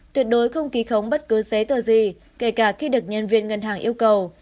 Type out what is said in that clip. tuyệt đối không ký khống bất cứ giấy tờ gì kể cả khi được nhân viên ngân hàng yêu cầu